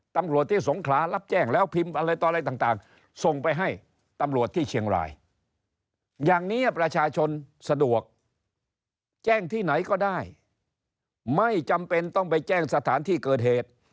ตำรวจที่สงขลารับแจ้งแล้วพิมพ์อะไรต่ออะไรต่างส่งไปให้ตำรวจที่เชียงรายอย่างนี้ประชาชนสะดวกแจ้งที่ไหนก็ได้ไม่จำเป็นต้องไปแจ้งสถานที่เกิดเหตุ